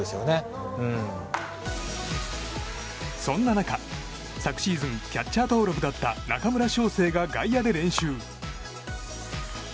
そんな中、昨シーズンキャッチャー登録だった中村奨成が外野で練習。